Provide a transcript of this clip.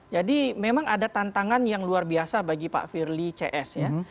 jadi memang ada tantangan yang luar biasa bagi pak firly cs ya